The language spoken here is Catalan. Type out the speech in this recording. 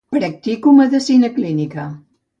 Practico medicina clínica.